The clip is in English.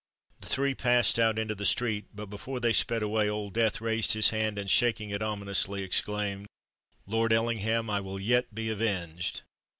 The three passed out into the street; but before they sped away, Old Death raised his hand, and shaking it ominously, exclaimed, "Lord Ellingham, I will yet be avenged!"